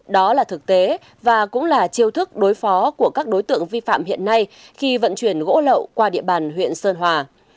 đó là thực tế và cũng là chiêu thức đối phó của các đối tượng vi phạm hiện nay khi vận chuyển gỗ lậu qua địa bàn huyện sơn hòa